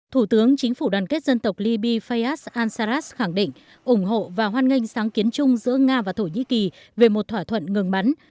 thủ tướng chính phủ đoàn kết dân tộc liby fayad ansaras khẳng định ủng hộ và hoan nghênh sáng kiến chung giữa nga và thổ nhĩ kỳ về một thỏa thuận ngừng bắn